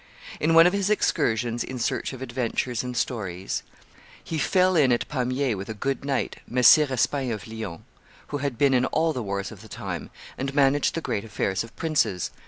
In one of his excursions in search of adventures and stories, "he fell in at Pamiers with a good knight, Messire Espaing of Lyons, who had been in all the wars of the time, and managed the great affairs of princes.